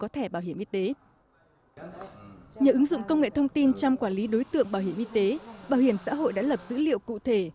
trong quản lý đối tượng bảo hiểm y tế bảo hiểm xã hội đã lập dữ liệu cụ thể